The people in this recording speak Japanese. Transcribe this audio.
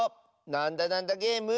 「なんだなんだゲーム」！